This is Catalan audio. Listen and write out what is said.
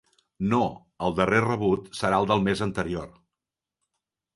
No, el darrer rebut serà el del mes anterior.